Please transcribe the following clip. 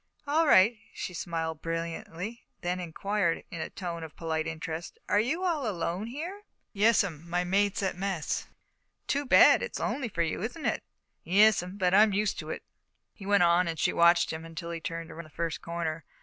"All right." She smiled brilliantly, then inquired, in a tone of polite interest, "Are you all alone here?" "Yes'm. My mate's at mess." "Too bad. It's lonely for you, isn't it?" "Yes'm, but I'm used to it." He went on, and she watched him till he turned the first corner.